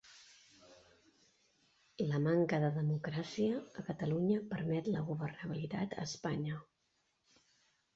La manca de democràcia a Catalunya permet la governabilitat a Espanya